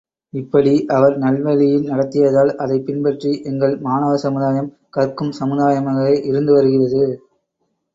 இப்படி அவர் நல்வழியில் நடத்தியதால், அதைப் பின்பற்றி எங்கள் மாணவ சமுதாயம் கற்கும் சமுதாயமாகவே இருந்து வருகிறது.